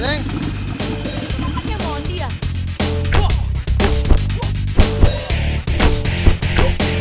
menangkap dengan apjoel lips wool channel